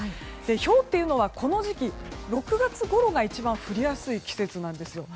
ひょうというのはこの時期、６月ごろが一番降りやすい季節なんです。